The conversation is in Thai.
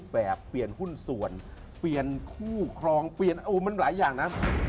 ค่ะสรุปมั่นไม่มั่น